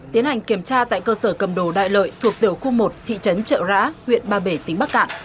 tiến hành kiểm tra tại cơ sở cầm đồ đại lợi thuộc tiểu khu một thị trấn trợ rã huyện ba bể tỉnh bắc cạn